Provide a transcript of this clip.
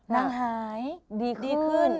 นั่งหายดีขึ้น